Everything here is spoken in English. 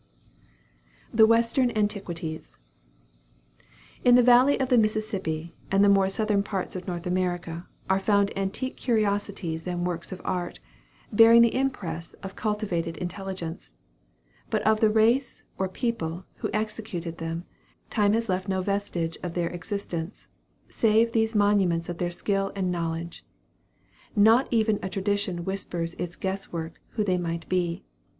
THE WESTERN ANTIQUITIES. In the valley of the Mississippi, and the more southern parts of North America, are found antique curiosities and works of art, bearing the impress of cultivated intelligence. But of the race, or people, who executed them, time has left no vestige of their existence, save these monuments of their skill and knowledge. Not even a tradition whispers its guess work, who they might be.